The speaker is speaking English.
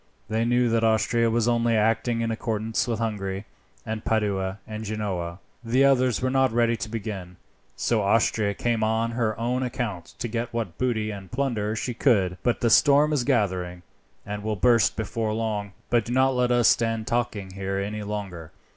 They knew that Austria was only acting in accord with Hungary, and Padua, and Genoa. The others were not ready to begin, so Austria came on her own account to get what booty and plunder she could. But the storm is gathering, and will burst before long. But do not let us stand talking here any longer.